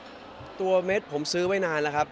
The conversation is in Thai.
อีกตัวเม็ดผมซื้อไว้นาน